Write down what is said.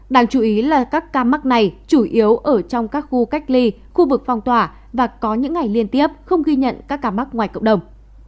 đáng chú ý là các ca mắc này chủ yếu ở trong các khu cách ly khu vực phong tỏa và có những ngày liên tiếp không ghi nhận các ca mắc ngoài cộng đồng